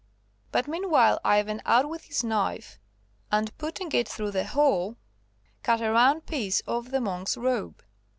But meanwhile Ivan out with his knife, and putting it through the whole, cut a round piece off the monk's robe.